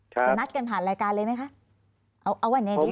จะนัดกันผ่านรายการเลยไหมคะ